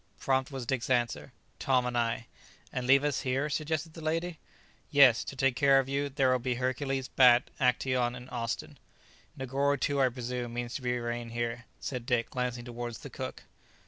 Prompt was Dick's answer: "Tom and I." "And leave us here?" suggested the lady. "Yes; to take care of you, there will be Hercules, Bat, Actæon and Austin. Negoro, too, I presume, means to remain here," said Dick, glancing towards the cook.